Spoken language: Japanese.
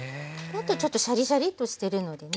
もっとちょっとシャリシャリッとしてるのでね。